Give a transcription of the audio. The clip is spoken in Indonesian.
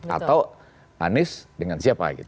atau anies dengan siapa gitu